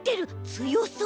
つよそう！